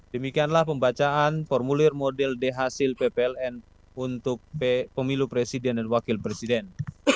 demikianlah pembacaan formulir model dhasil ppln untuk pemilu presiden dan wakil presiden